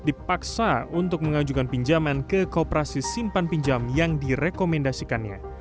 dipaksa untuk mengajukan pinjaman ke kooperasi simpan pinjam yang direkomendasikannya